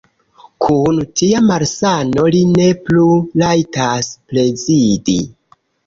Kun tia malsano li ne plu rajtas prezidi!